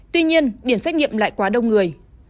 tuy nhiên điểm xét nghiệm lại quá đông người